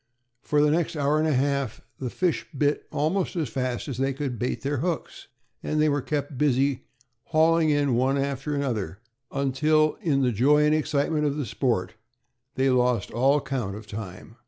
For the next hour and a half the fish bit almost as fast as they could bait their hooks, and they were kept busy hauling in one after another, until, in the joy and excitement of the sport, they lost all count of time.